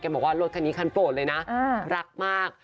บอกว่ารถคันนี้คันโปรดเลยนะรักมาก